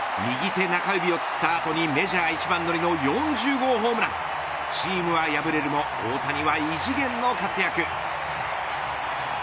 何と右手中指をつった後にメジャー一番乗りの４０号ホームランチームは敗れるも大谷は異次元の活躍。